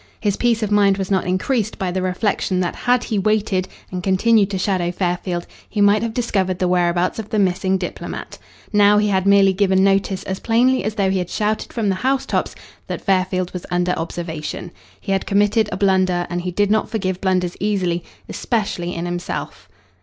His peace of mind was not increased by the reflection that had he waited and continued to shadow Fairfield he might have discovered the whereabouts of the missing diplomat. Now he had merely given notice as plainly as though he had shouted from the housetops that Fairfield was under observation. He had committed a blunder, and he did not forgive blunders easily, especially in himself.